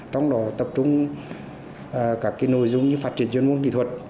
trong đó tập trung cả cái nội dung như phát triển chuyên môn kỹ thuật